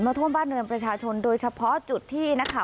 ท่วมบ้านเรือนประชาชนโดยเฉพาะจุดที่นะคะ